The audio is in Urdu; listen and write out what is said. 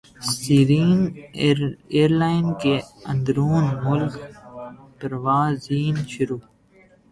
سیرین ایئرلائن کی اندرون ملک پروازیں شروع